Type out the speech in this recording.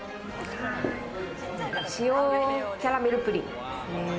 塩キャラメルプリン。